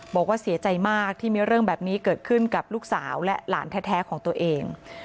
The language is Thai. บอกว่าเสียใจมากที่มีเรื่องแบบนี้เกิดขึ้นกับลูกสาวและหลานแท้ของตัวเอง